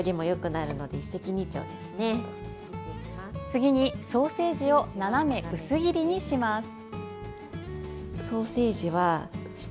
次にソーセージを斜め薄切りにします。